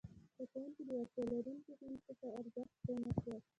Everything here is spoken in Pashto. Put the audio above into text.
زده کوونکي د وړتیا لرونکي ښوونکي پر ارزښت پوه نه شول!